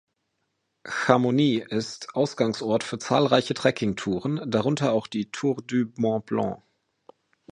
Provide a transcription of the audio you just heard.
Chamonix ist Ausgangsort für zahlreiche Trekkingtouren, darunter auch die Tour du Mont-Blanc.